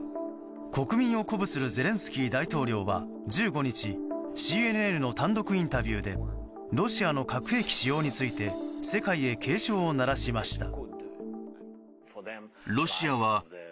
国民を鼓舞するゼレンスキー大統領は１５日ＣＮＮの単独インタビューでロシアの核兵器使用について世界へ警鐘を鳴らしました。